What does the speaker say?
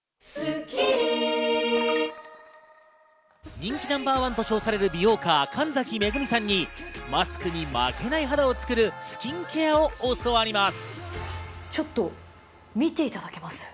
人気ナンバーワンと称される美容家・神崎恵さんに、マスクに負けない肌を作るスキンケアを教わります。